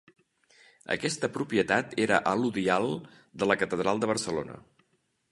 Aquesta propietat era alodial de la catedral de Barcelona.